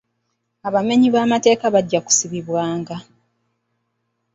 Abamenyi b'amateeka bajja kusibwanga.